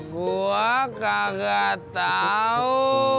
gua kagak tau